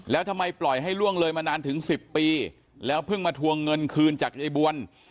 แล้วทำไมปล่อยให้ล่วงเลยมานานถึง๑๐ปีแล้วเพิ่งมาทวงเงินคืนจากยายบวล